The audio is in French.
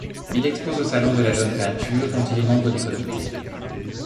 Il expose au Salon de la Jeune Peinture dont il est membre du comité.